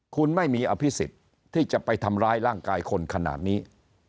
คุณไม่มีอภิษฎที่จะไปทำร้ายร่างกายคนขนาดนี้